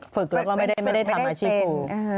ฝึกแล้วก็ไม่ได้ทำอาชีพครู